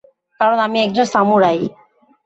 কারণ আমি একজন সামুরাই।